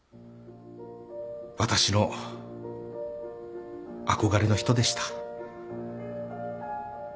私の憧れの人でした。